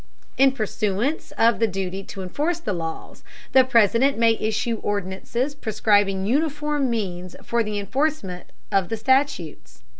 In pursuance of the duty to enforce the laws, the President may issue ordinances prescribing uniform means for the enforcement of the statutes.